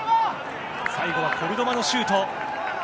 最後はコルドバのシュート。